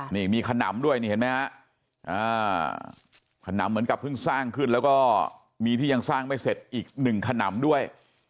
นี่มีขนำด้วยนี่เห็นไหมฮะขนำเหมือนกับเพิ่งสร้างขึ้นแล้วก็มีที่ยังสร้างไม่เสร็จอีกหนึ่งขนำด้วย